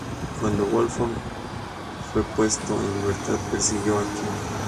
Cuando Wolfson fue puesto en libertad, persiguió a King.